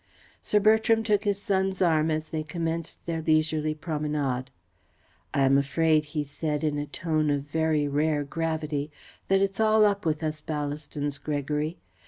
Sir Bertram took his son's arm as they commenced their leisurely promenade. "I am afraid," he said, in a tone of very rare gravity, "that it's all up with us Ballastons, Gregory.